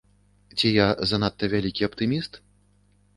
Ці я занадта вялікі аптыміст?